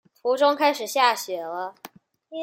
途中开始下雪了